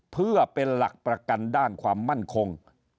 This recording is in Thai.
เพื่อเป็นหลักประกันด้านความมั่นคง